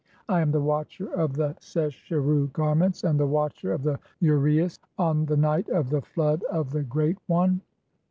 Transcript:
(14) I am the watcher of the sesheru garments, "and the watcher of the Uraeus on the night of the flood of the "Great one.